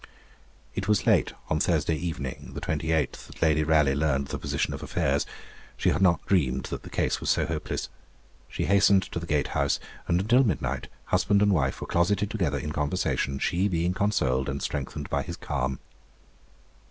It was late on Thursday evening, the 28th, that Lady Raleigh learned the position of affairs. She had not dreamed that the case was so hopeless. She hastened to the Gate House, and until midnight husband and wife were closeted together in conversation, she being consoled and strengthened by his calm.